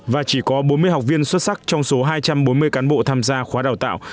và chỉ có bốn mươi học viên xuất sắc trong số hai trăm bốn mươi cán bộ tham gia khóa đào tạo